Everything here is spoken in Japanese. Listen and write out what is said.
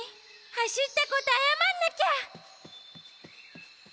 はしったことあやまんなきゃ！